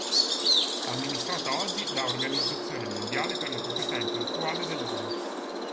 Amministrata oggi da Organizzazione mondiale per la proprietà intellettuale dell'ONU.